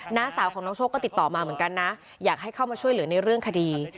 ้าสาวของน้องโชคก็ติดต่อมาเหมือนกันนะอยากให้เข้ามาช่วยเหลือในเรื่องคดี